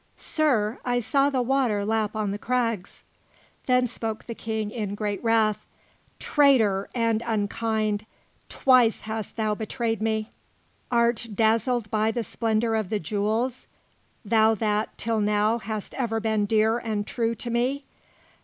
"Sir, I saw the water lap on the crags." Then spoke the King in great wrath: "Traitor and unkind! Twice hast thou betrayed me! Art dazzled by the splendour of the jewels, thou that, till now, hast ever been dear and true to me?